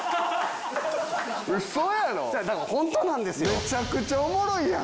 めちゃくちゃおもろいやん。